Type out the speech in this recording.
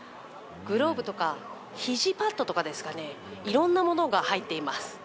グローブとかひじパットとかですかね、いろんなものが入っています。